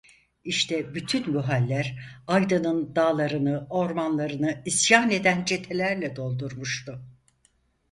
İşte bütün bu haller, Aydının dağlarını, ormanlarını isyan eden çetelerle doldurmuştu.